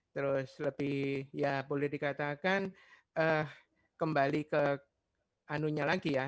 terus lebih ya boleh dikatakan kembali ke anunya lagi ya